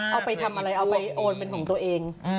เอาไปทำอะไรเอาไปโอนเป็นของตัวเอง